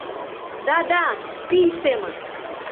Да-да, пий семын!